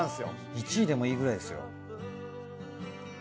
１位でもいいくらいですよ。